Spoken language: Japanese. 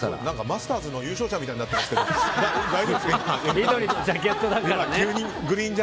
マスターズの優勝者みたいになってますけど大丈夫ですか。